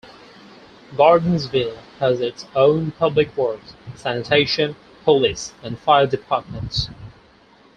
Gordonsville has its own public works, sanitation, police, and fire departments.